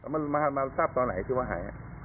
มันมาทราบตอนไหนคือว่าหาย